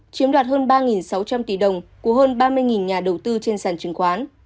chiếm đoạt hơn ba sáu trăm linh tỷ đồng của hơn ba mươi nhà đầu tư trên sàn chứng khoán